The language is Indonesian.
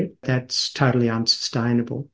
dan itu tidak berkelanjutan